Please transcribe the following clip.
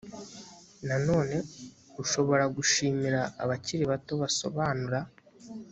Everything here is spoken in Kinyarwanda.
nanone ushobora gushimira abakiri bato basobanura